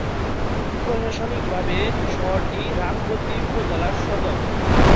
প্রশাসনিকভাবে শহরটি রামগতি উপজেলার সদর।